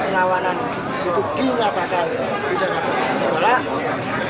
penawanan untuk dinatakan tidak dapat diolak